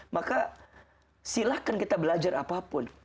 maka silahkan kita belajar apapun